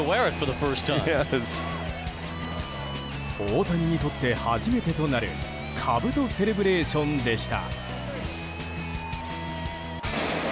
大谷にとって初めてとなるかぶとセレブレーションでした。